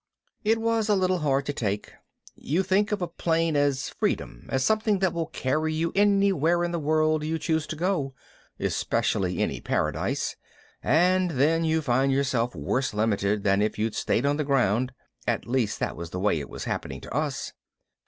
It was a little hard to take. You think of a plane as freedom, as something that will carry you anywhere in the world you choose to go, especially any paradise, and then you find yourself worse limited than if you'd stayed on the ground at least that was the way it was happening to us.